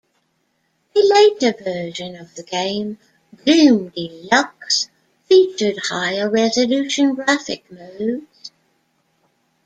A later version of the game, "Gloom Deluxe", featured higher resolution graphic modes.